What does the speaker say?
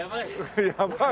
やばい！